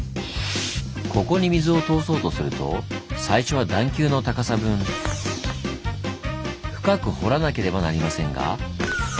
ここに水を通そうとすると最初は段丘の高さ分深く掘らなければなりませんが。